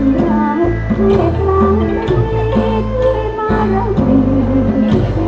ในครั้งนี้ที่มาแล้วดี